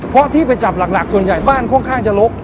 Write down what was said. เพราะที่ไปจับหลักส่วนใหญ่บ้านค่อนข้างจะลก